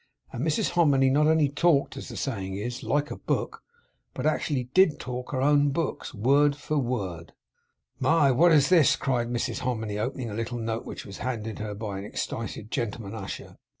And Mrs Hominy not only talked, as the saying is, like a book, but actually did talk her own books, word for word. 'My! what is this!' cried Mrs Hominy, opening a little note which was handed her by her excited gentleman usher.